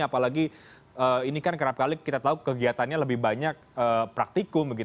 apalagi ini kan kerap kali kita tahu kegiatannya lebih banyak praktikum